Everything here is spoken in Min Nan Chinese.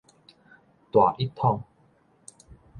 大一統